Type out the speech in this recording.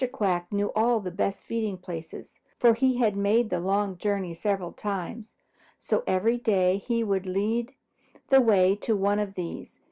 Quack knew all the best feeding places, for he had made the long journey several times, so every day he would lead the way to one of these.